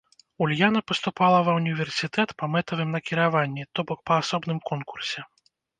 Ульяна паступала ва універсітэт па мэтавым накіраванні, то бок па асобным конкурсе.